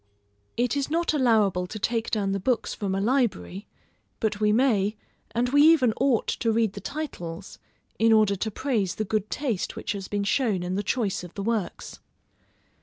It is not allowable to take down the books from a library; but we may, and we even ought to read the titles, in order to praise the good taste which has been shown in the choice of the works.